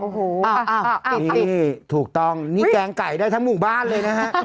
อ้าวอ้าวถูกต้องมันแกงไก่ได้ทั้งหมู่บ้านเลยนะครับ